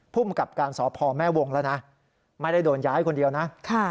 ภูมิกับการสพแม่วงแล้วนะไม่ได้โดนย้ายคนเดียวนะ